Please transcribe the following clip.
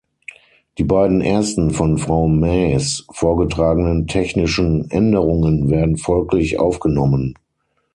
Die beiden ersten von Frau Maes vorgetragenen technischen Änderungen werden folglich aufgenommen.